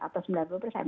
atau sembilan puluh persen